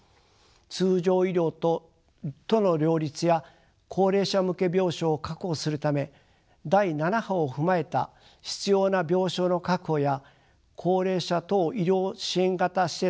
通常医療との両立や高齢者向け病床を確保するため第７波を踏まえた必要な病床の確保や高齢者等医療支援型施設を開設すること。